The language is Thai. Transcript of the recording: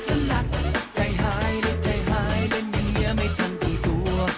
ชัยหายเรียบชัยหายเรียบอย่างนี้ไม่ทันต้มตัว